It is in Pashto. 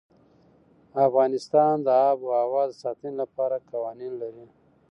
افغانستان د آب وهوا د ساتنې لپاره قوانين لري.